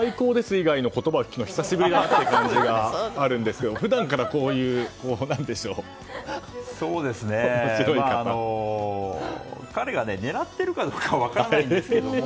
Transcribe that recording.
以外の言葉を聞くのが久しぶりだなという感じがあるんですが普段から彼が狙っているかどうか分からないんですけど。